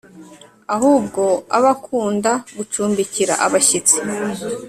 ahubwo abe ukunda gucumbikira abashyitsi